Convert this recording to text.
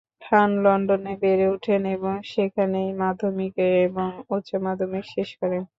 খান লন্ডনে বেড়ে ওঠেন এবং সেখানেই মাধ্যমিক এবং উচ্চ মাধ্যমিক শেষ করেন।